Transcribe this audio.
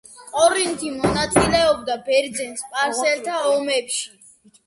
კორინთი მონაწილეობდა ბერძენ-სპარსელთა ომებში.